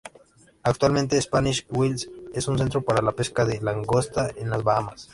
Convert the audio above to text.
Actualmente, Spanish Wells es un centro para la pesca de langosta en las Bahamas.